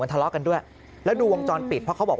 ทะเลาะกันด้วยแล้วดูวงจรปิดเพราะเขาบอกว่า